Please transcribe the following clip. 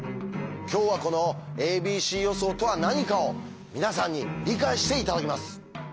今日はこの「ａｂｃ予想」とは何かを皆さんに理解して頂きます。